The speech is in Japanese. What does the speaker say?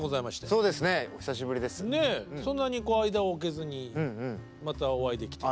そんなに間を空けずにまたお会いできて。